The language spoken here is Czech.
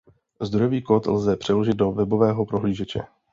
Zdrojový kód lze přeložit do webového prohlížeče.